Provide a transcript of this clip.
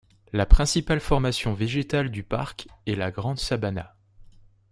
La principale formation végétale du parc est la Gran Sabana.